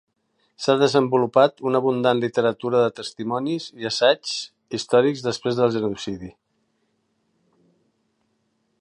S'ha desenvolupat una abundant literatura de testimonis i assaigs històrics després del genocidi.